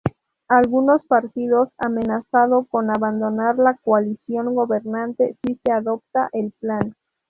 Algunos partidos amenazado con abandonar la coalición gobernante si se adoptaba el plan.